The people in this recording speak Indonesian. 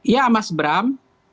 ya mas bram